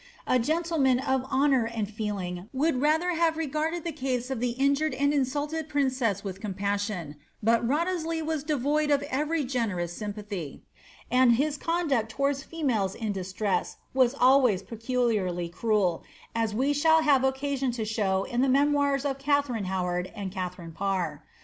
A gentleman of honour and feeling would rather have regarded the case of the injured aod insulted princess with compassion ; but Wriothesley was devoid of erery generous sympathy, and his conduct towards females in distress was always peculiarly cruel, as we shall have occasion to show in the memoirs of Katharine Howard and Katharine Parr.